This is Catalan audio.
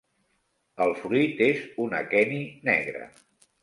El fruit és un aqueni negre.